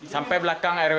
sampai belakang rw sembilan